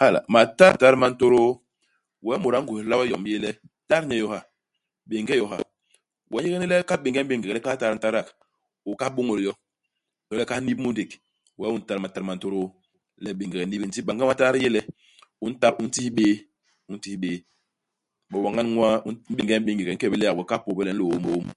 Hala. Matat ma ntôdôô, wee mut a ngwéhla we yom yéé le tat nye yo ha, bénge yo ha. We u yék le u kahal bénge m'béngege, le u kahal tat ntadak, u kahal bôñôl yo. To le u kahal nip mu ndék. Wee u ntat matat ma ntôdôô. Le u béngege u nibik. Ndi banga i matat i yé le, u ntat u ntis bé, u ntis bé. Bo iwañan ñwaa, u nt u m'bénge m'béngege. U nke bé le yak we u kahal pôôbe le u nlôô mu.